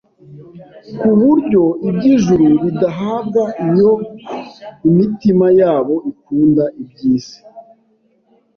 ku buryo iby’ijuru bidahabwa iyo imitima yabo ikunda iby’isi